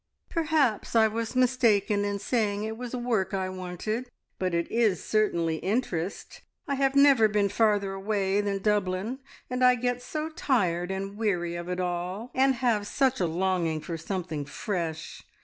"Perhaps I was mistaken in saying it was work I wanted, but it is certainly interest. I have never been farther away than Dublin, and I get so tired and weary of it all, and have such a longing for something fresh.